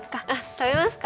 食べますか。